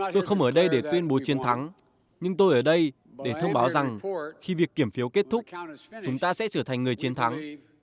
tôi không ở đây để tuyên bố chiến thắng nhưng tôi ở đây để thông báo rằng khi việc kiểm phiếu kết thúc chúng ta sẽ trở thành người chiến thắng